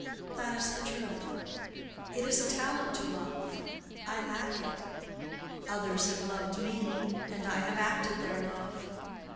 That is the truth. It is a talent to love—I lack it. Others have loved me—and I have acted their love.